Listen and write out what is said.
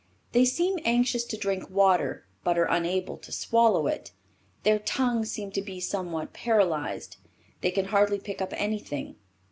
They seem anxious to drink water but are unable to swallow it. Their tongues seem to be somewhat paralyzed, they can hardly pick up anything.